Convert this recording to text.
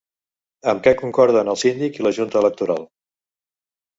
Amb què concorden el síndic i la Junta Electoral?